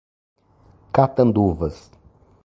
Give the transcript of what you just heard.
Catanduvas